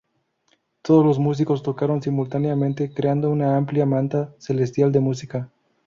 Todos los músicos tocaron simultáneamente, creando "una amplia manta celestial de música".